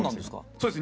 そうです。